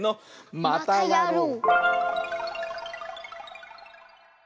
またやろう！